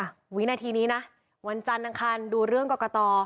อ้าววินาทีนี้นะวันจันทร์นังคัณฝ์ดูเรื่องก้อกกะต่อ